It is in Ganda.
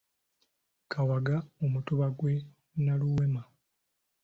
Kawagga Omutuba gw'e Nnaluweema.